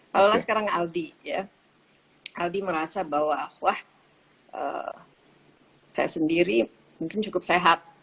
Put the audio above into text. kalau lah sekarang aldi ya aldi merasa bahwa wah saya sendiri mungkin cukup sehat